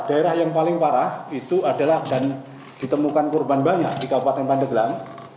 daerah yang paling parah itu adalah dan ditemukan korban banyak di kabupaten pandeglang